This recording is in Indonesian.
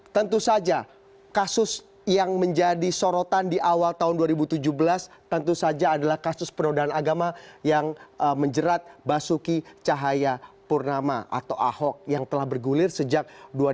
tentu saja kasus yang menjadi sorotan di awal tahun dua ribu tujuh belas tentu saja adalah kasus penodaan agama yang menjerat basuki cahaya purnama atau ahok yang telah bergulir sejak dua ribu tujuh belas